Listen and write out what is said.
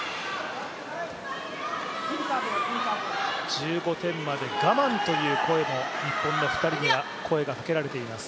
１５点まで我慢という声も日本の２人にかけられています。